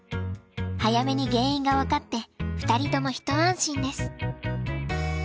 早めに原因が分かって２人とも一安心です。